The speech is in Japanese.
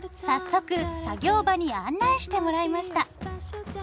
早速作業場に案内してもらいました。